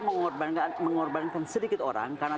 mengorbankan sedikit orang karena